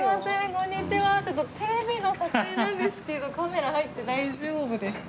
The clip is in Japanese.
こんにちはテレビの撮影なんですけどカメラ入って大丈夫ですか？